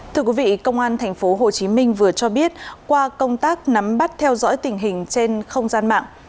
thưa quý vị công an tp hcm vừa cho biết qua công tác nắm bắt theo dõi tình hình trên không gian mạng